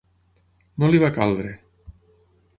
No li va caldre.